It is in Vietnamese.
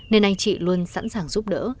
nên anh chị luôn sẵn sàng giúp đỡ